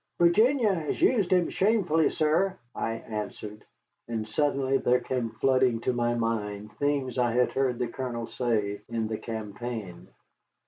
"Virginia has used him shamefully, sir," I answered, and suddenly there came flooding to my mind things I had heard the Colonel say in the campaign.